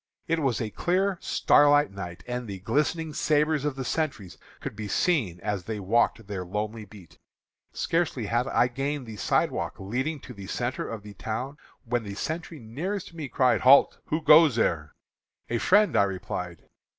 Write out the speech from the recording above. "It was a clear, starlight night, and the glistening sabres of the sentries could be seen as they walked their lonely beat. Scarcely had I gained the sidewalk leading to the centre of the town when the sentry nearest me cried, 'Halt! who goes there?' 'A friend,' I replied.